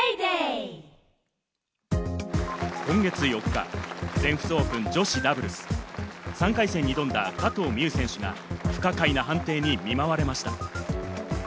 今月４日、全仏オープン女子ダブルス３回戦に挑んだ加藤未唯選手が不可解な判定に見舞われました。